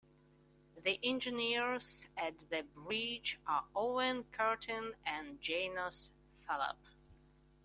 The engineers at The Bridge are Owen Curtin and Janos Fulop.